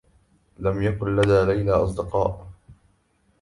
لم يكن لدى ليلى أصدقاء.